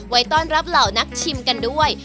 ไว้ต้อนรับเหล่านักชิมกันด้วย